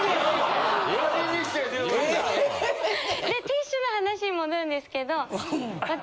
ティッシュの話に戻るんですけど私。